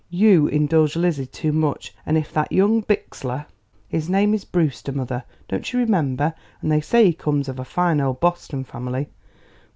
You indulge Lizzie too much; and if that young Bixler " "His name is Brewster, mother; don't you remember? and they say he comes of a fine old Boston family."